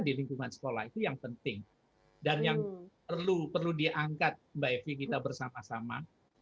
di lingkungan sekolah itu yang penting dan yang perlu perlu diangkat mbak evi kita bersama sama